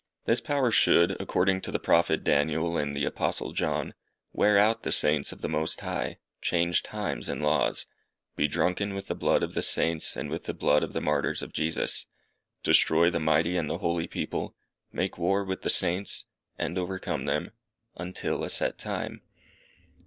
This power should, according to the Prophet Daniel and the Apostle John, "wear out the Saints of the Most High;" "change times and laws;" "be drunken with the blood of the Saints, and with the blood of the martyrs of Jesus;" "destroy the mighty and the holy people;" "make war with the Saints, and overcome them" until a set time.